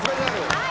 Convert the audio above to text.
はい。